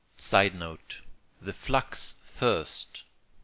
[Sidenote: The flux first.